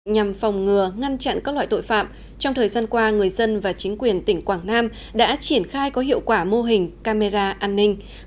nhằm phòng ngừa ngăn chặn các loại tội phạm trong thời gian qua người dân và chính quyền tỉnh quảng nam đã triển khai có hiệu quả mô hình camera an ninh